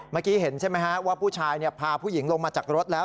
เมื่อกี้เห็นใช่ไหมฮะว่าผู้ชายพาผู้หญิงลงมาจากรถแล้ว